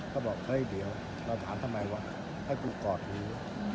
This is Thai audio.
ก็บอกเฮ้ยเดี๋ยวเราถามทำไมวะให้กูกอดมึง